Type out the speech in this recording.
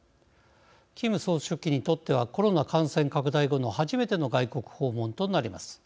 キム総書記にとってはコロナ感染拡大後の初めての外国訪問となります。